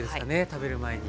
食べる前に。